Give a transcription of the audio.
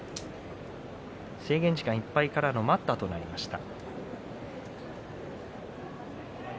制限時間いっぱいからの待ったとなりました。